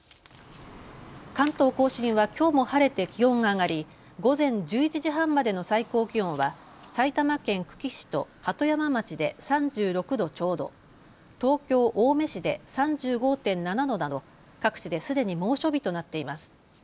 関東甲信はきょうも晴れて気温が上がり午前１１時半までの最高気温は埼玉県久喜市と鳩山町で３６度ちょうど、東京青梅市で３５．７度など各地ですでに猛暑日となっています。